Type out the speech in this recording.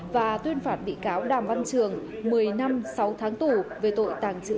và tuyên phạt bị cáo đàm văn trường một mươi năm sáu tháng tù về tội tàng trữ trái phép chất ma túy